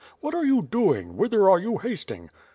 What are you doing? Whither are you hasting?"